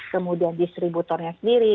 kemudian distributornya sendiri